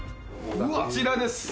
こちらです。